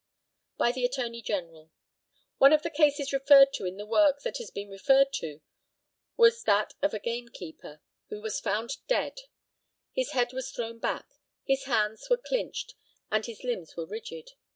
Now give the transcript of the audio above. By the ATTORNEY GENERAL: One of the cases referred to in the work that has been referred to was that of a game keeper, who was found dead; his head was thrown back, his hands were clinched, and his limbs were rigid.